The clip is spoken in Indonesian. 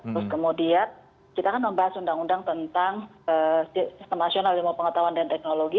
terus kemudian kita akan membahas undang undang tentang sistem nasional ilmu pengetahuan dan teknologi